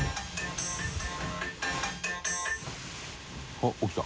「あっ起きた」